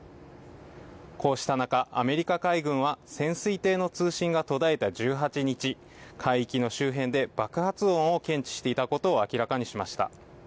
こうした中、アメリカ海軍は潜水艇の通信が途絶えた１８日海域の周辺で爆発音を検知していたことを明らかにしました。